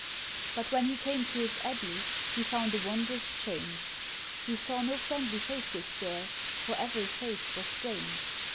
But, when he came to his Abbey, he found a wondrous change; He saw no friendly faces there, for every face was strange.